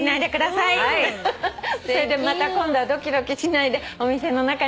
それでまた今度はドキドキしないでお店の中に入っていきます。